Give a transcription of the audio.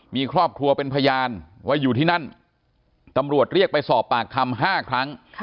มีครอบครัวเป็นพยานว่าอยู่ที่นั่นตำรวจเรียกไปสอบปากคำ๕ครั้ง